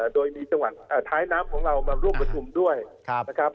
โดยมีจังหวัดท้ายน้ำของเรามาร่วมประชุมด้วยนะครับ